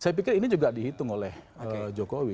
saya pikir ini juga dihitung oleh jokowi